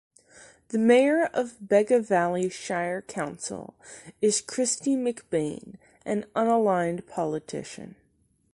The Mayor of Bega Valley Shire Council is Kristy McBain, an unaligned politician.